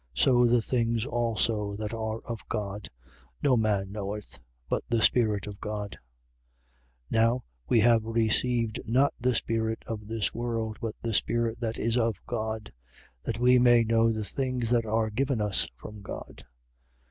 So the things also that are of God, no man knoweth, but the Spirit of God. 2:12. Now, we have received not the spirit of this world, but the Spirit that is of God: that we may know the things that are given us from God.